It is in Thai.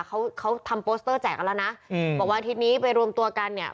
เขาเขาทำโปสเตอร์แจกกันแล้วนะอืมบอกว่าอาทิตย์นี้ไปรวมตัวกันเนี่ย